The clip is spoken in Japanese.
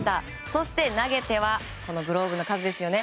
そして、投げてはグローブの数ですね。